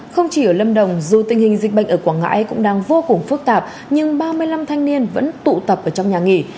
không chỉ ở lâm đồng dù tình hình dịch bệnh ở quảng ngãi cũng đang vô cùng phức tạp nhưng ba mươi năm thanh niên vẫn tụ tập ở trong nhà nghỉ